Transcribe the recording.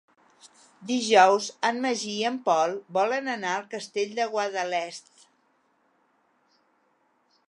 Dijous en Magí i en Pol volen anar al Castell de Guadalest.